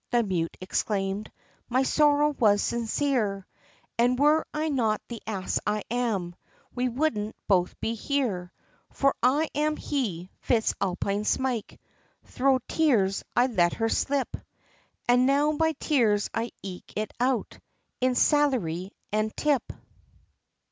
the mute exclaimed, "My sorrow was sincere, And were I not the ass I am, We wouldn't both be here; For I am he, Fitz Alpine Smyke, Thro' tears, I let her slip, And now by tears, I eke it out In salary and tip."